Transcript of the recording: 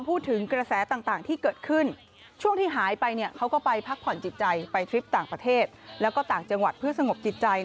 เพื่อสงบจิตใจนะครับ